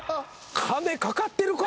金かかってるか？